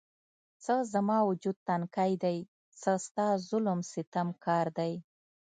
څه زما وجود تنکی دی، څه ستا ظلم ستم کار دی